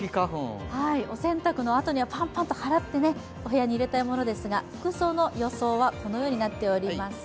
お洗濯のあとにはパンパンと払ってお部屋に入れたいものですが、服装はこのようになっています。